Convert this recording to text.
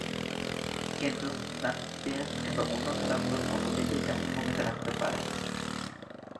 কিন্তু, Francis test কিংবা অন্য খেলাগুলোর কোনটিতেই তেমন ভূমিকা রাখতে পারেননি।